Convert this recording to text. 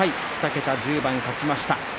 ２桁、１０番勝ちました。